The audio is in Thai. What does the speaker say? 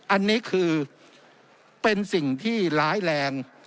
อันนี้คือเป็นสิ่งที่ร้ายแรง